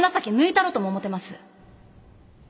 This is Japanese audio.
たろとも思てます。